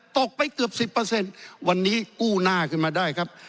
ตกไปเกือบ๑๐วันนี้กู้หน้าขึ้นมาได้ครับ